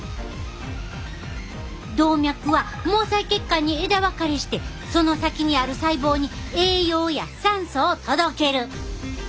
動脈は毛細血管に枝分かれしてその先にある細胞に栄養や酸素を届ける。